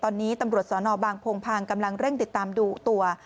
ตอนนี้ตำรวจสนบางโพงพางกำลังเร่งติดตามดูตัว